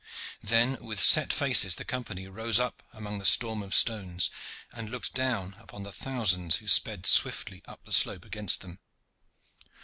Then, with set faces, the Company rose up among the storm of stones, and looked down upon the thousands who sped swiftly up the slope against them.